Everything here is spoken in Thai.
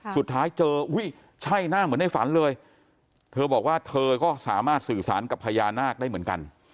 สุดท้ายเจออุ้ยใช่หน้าเหมือนในฝันเลยเธอบอกว่าเธอก็สามารถสื่อสารกับพญานาคได้เหมือนกัน